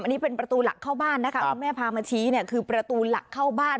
อันนี้เป็นประตูหลักเข้าบ้านนะคะคุณแม่พามาชี้เนี่ยคือประตูหลักเข้าบ้าน